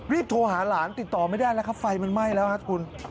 โทรหาหลานติดต่อไม่ได้แล้วครับไฟมันไหม้แล้วครับคุณ